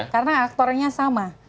karena aktornya sama